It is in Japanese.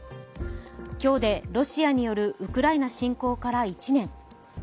今日でロシアによるウクライナ侵攻から１年。